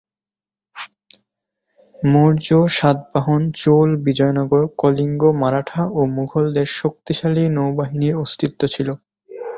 মৌর্য, সাতবাহন, চোল, বিজয়নগর, কলিঙ্গ, মারাঠা ও মুঘলদের শক্তিশালী নৌবাহিনীর অস্তিত্ব ছিল।